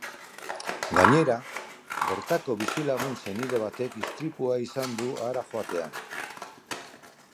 Gainera, bertako bizilagunen senide batek istripua izan du hara joatean.